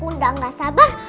oh udah gak sabar